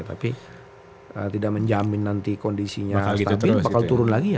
tapi tidak menjamin nanti kondisinya stabil bakal turun lagi ya